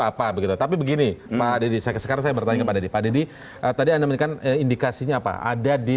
apa begitu tapi begini nah di sekitar saya bertanya pada di tadi anda menekan indikasinya apa ada di